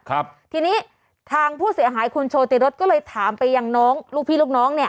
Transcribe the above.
ครับทีนี้ทางผู้เสียหายคุณโชติรถก็เลยถามไปยังน้องลูกพี่ลูกน้องเนี่ย